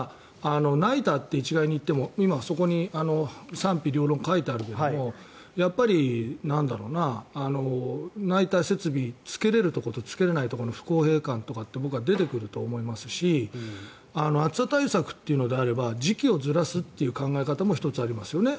ナイターと一概に言ってもそこに賛否両論書いてあるけどやっぱりナイター設備つけれるところとつけれないところの不公平感とかって僕は出てくると思いますし暑さ対策というのであれば時期をずらすという考え方も１つありますよね。